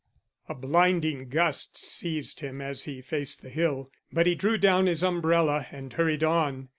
A blinding gust seized him as he faced the hill, but he drew down his umbrella and hurried on.